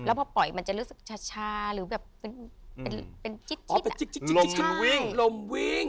แล้วพอปล่อยมันจะลึกช้าช้าหรือแบบเป็นเป็นจิ๊ดจิ๊ดอ๋อเป็นจิ๊ดจิ๊ดจิ๊ดจิ๊ดลมวิ่งลมวิ่ง